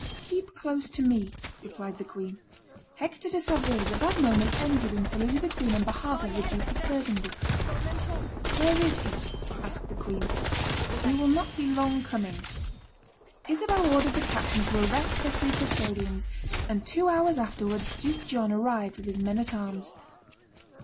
"Keep close to me," replied the queen. Hector de Saveuse at that moment entered and saluted the queen on behalf of the Duke of Burgundy. "Where is he?" asked the queen. "He will not be long coming." Isabel ordered the captain to arrest her three custodians; and two hours afterwards Duke John arrived with his men at arms.